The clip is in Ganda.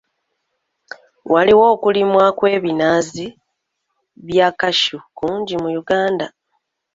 Waliwo okulimwa kw'ebinazi bya Cashew kungi mu Uganda.